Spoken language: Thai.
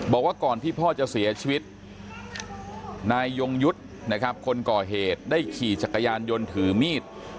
บอกว่าก่อนที่พ่อจะเสียชีวิตนายยงยุทธ์นะครับคนก่อเหตุได้ขี่จักรยานยนต์ถือมีด